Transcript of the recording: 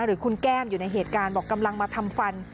หรือคุณแก้มอยู่ในเหตุการณ์บอกกำลังมาทำฟัน